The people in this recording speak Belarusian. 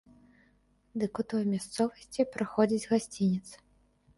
Дык от у той мясцовасці праходзіць гасцінец.